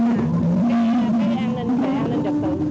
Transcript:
cái an ninh trật tự